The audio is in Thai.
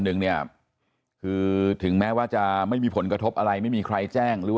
หนึ่งเนี่ยคือถึงแม้ว่าจะไม่มีผลกระทบอะไรไม่มีใครแจ้งหรือว่า